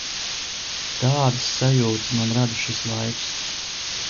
Tādas sajūtas man rada šis laiks.